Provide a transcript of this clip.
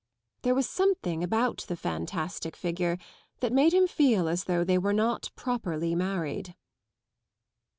There was something about the fantastic figure that made him feel as though they were not properly married.